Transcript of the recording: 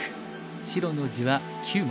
白の地は９目。